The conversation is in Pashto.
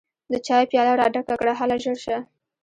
د چايو پياله راډکه کړه هله ژر شه!